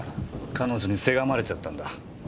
彼女にせがまれちゃったんだ。